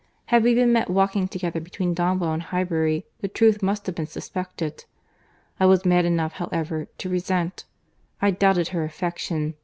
—Had we been met walking together between Donwell and Highbury, the truth must have been suspected.—I was mad enough, however, to resent.—I doubted her affection.